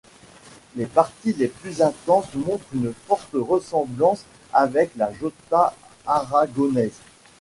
Les parties les plus intenses montrent une forte ressemblance avec la jota aragonaise.